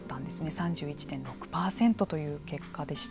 ３１．６％という結果でした。